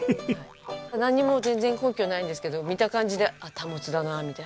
なんにも全然根拠ないんですけど見た感じであっタモツだなみたいな。